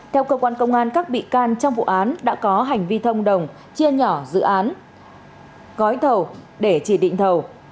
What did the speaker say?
theo cơ quan công an các bị can trong vụ án đã có hành vi thông đồng chia nhỏ dự án gói thầu để chỉ định thầu